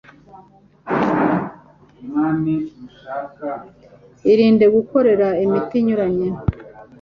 Irinde gukoresha imiti inyuranye